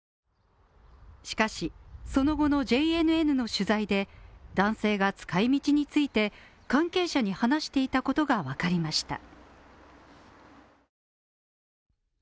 しかし、その後のＪＮＮの取材で、男性が使い道について関係者に話していたことがわかりました。